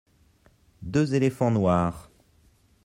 deux éléphants noirs.